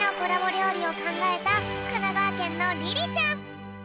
りょうりをかんがえたかながわけんのリリちゃん！